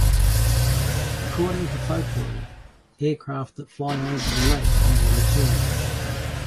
According to folklore, aircraft that fly over the lake never return.